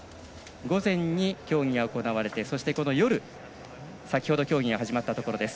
午前に競技が行われて夜先ほど競技が始まったところです。